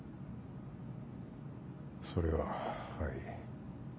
それははい。